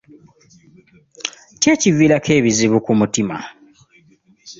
Ki ekiviirako ebizibu ku mutima?